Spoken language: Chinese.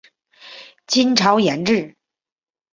金朝沿置。